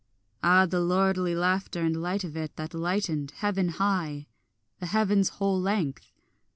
Ah the lordly laughter and light of it, that lightened Heaven high, the heaven's whole length!